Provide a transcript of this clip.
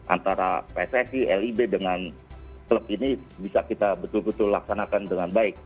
antara pssi lib dengan klub ini bisa kita betul betul laksanakan dengan baik